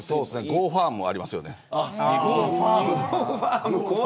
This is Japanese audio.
ゴーファームもありますよね。